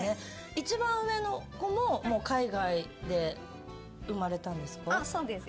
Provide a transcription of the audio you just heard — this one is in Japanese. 一番上の子も海外で生まれたんですか？